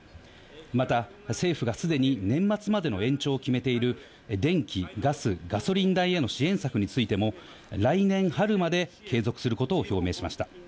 また、政府がすでに年末までの延長を決めている電気、ガス、ガソリン代への支援策についても、来年春まで継続することを表明しました。